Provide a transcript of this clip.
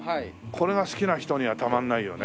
これが好きな人にはたまんないよね。